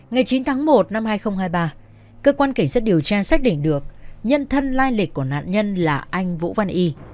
ngày chín tháng một năm hai nghìn hai mươi ba cơ quan cảnh sát điều tra xác định được nhân thân lai lịch của nạn nhân là anh vũ văn y